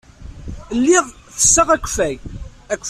Lliɣ ttesseɣ akeffay.